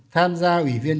tham gia ủy viên